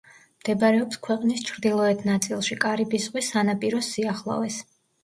მდებარეობს ქვეყნის ჩრდილეოთ ნაწილში, კარიბის ზღვის სანაპიროს სიახლოვეს.